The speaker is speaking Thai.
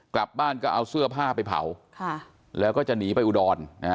กลับบ้านก็เอาเสื้อผ้าไปเผาแล้วก็จะหนีไปอุดร